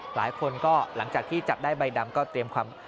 หลายคนก็หลังจากที่จับได้ใบดำก็เตรียมความ